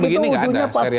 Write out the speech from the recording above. politik itu ujungnya pasti